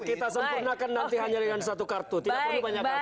kita sempurnakan nanti hanya dengan satu kartu tidak perlu banyak kartu